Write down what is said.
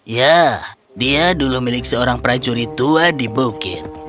ya dia dulu milik seorang prajurit tua di bukit